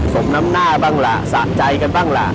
สมน้ำหน้าบ้างล่ะสะใจกันบ้างล่ะ